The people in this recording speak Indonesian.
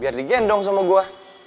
biar digendong sama gua